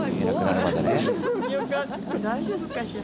大丈夫かしら。